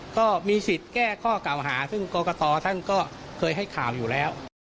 ก็มีสิทธิ์แก้ข้อเก่าหาซึ่งกรกตท่านก็เคยให้ข่าวอยู่แล้ว